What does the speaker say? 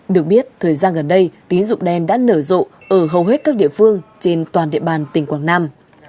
được biết thời gian gần đây tín dụng đen đã nở rộ ở hầu hết các địa phương trên toàn địa bàn tỉnh quảng nam